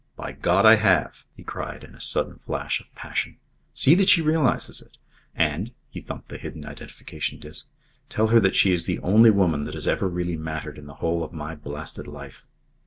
By God! I have," he cried, in a sudden flash of passion. "See that she realises it. And " he thumped the hidden identification disc, "tell her that she is the only woman that has ever really mattered in the whole of my blasted life."